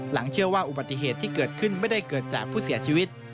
เชื่อว่าอุบัติเหตุที่เกิดขึ้นไม่ได้เกิดจากผู้เสียชีวิต